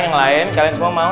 yang lain kalian semua mau